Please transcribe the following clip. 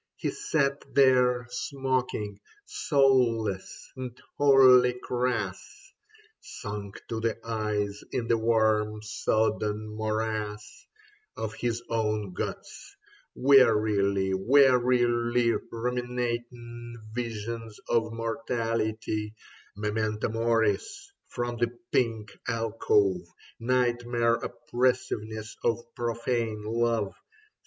He sat there smoking, soulless and wholly crass, Sunk to the eyes in the warm sodden morass Of his own guts, wearily, wearily Ruminating visions of mortality — Memento Moris from the pink alcove. Nightmare oppressiveness of profane love.